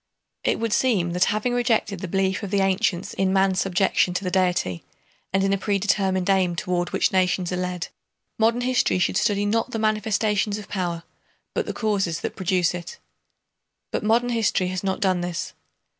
It would seem that having rejected the belief of the ancients in man's subjection to the Deity and in a predetermined aim toward which nations are led, modern history should study not the manifestations of power but the causes that produce it. But modern history has not done this.